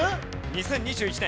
２０２１年。